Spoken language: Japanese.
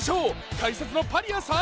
解説のパリアさん。